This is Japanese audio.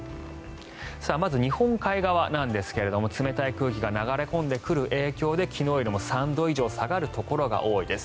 まず日本海側なんですが冷たい空気が流れ込んでくる影響で昨日より３度以上下がるところが多いです。